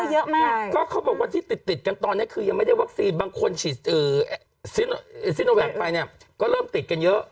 เยอะมากก็เขาบอกว่าที่ติดติดกันตอนนี้คือยังไม่ได้วัคซีนบางคนฉีดซิโนแวคไปเนี่ยก็เริ่มติดกันเยอะ